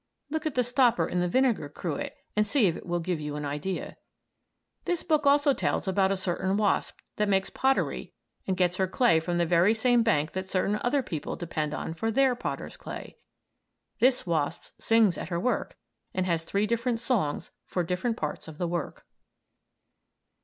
(Look at the stopper in the vinegar cruet and see if it will give you an idea.) This book also tells about a certain wasp that makes pottery and gets her clay from the very same bank that certain other people depend on for their potter's clay. This wasp sings at her work and has three different songs for different parts of the work.